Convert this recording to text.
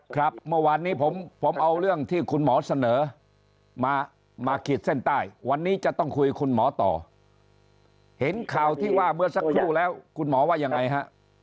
ครับเมื่อวานนี้ผมเอาเรื่องที่คุณหมอเสนอมาขีดเส้นใต้วันนี้จะต้องคุยคุณหมอต่อเห็นข่าวที่ว่าเมื่อสักครู่แล้วคุณหมอว่ายังไงฮะ